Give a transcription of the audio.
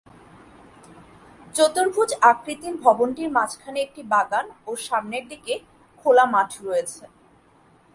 চতুর্ভুজ আকৃতির ভবনটির মাঝখানে একটি বাগান ও সামনের দিকে খোলা মাঠ রয়েছে।